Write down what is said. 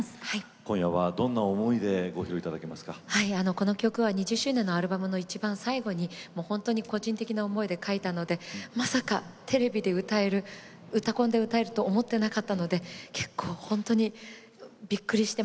この曲は２０周年のアルバムのいちばん最後にもう本当に個人的な思いで書いたのでまさかテレビで歌える「うたコン」で歌えると思ってなかったので結構ほんとにびっくりしてますけれども。